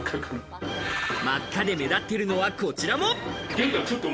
真っ赤で目立ってるのは、こちらも。